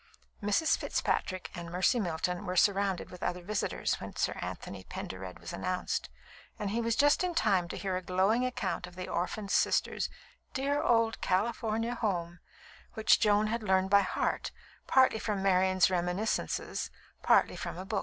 Mrs. Fitzpatrick and Mercy Milton were surrounded with other visitors when Sir Anthony Pendered was announced, and he was just in time to hear a glowing account of the orphaned sisters' "dear old California home," which Joan had learned by heart, partly from Marian's reminiscences, partly from a book.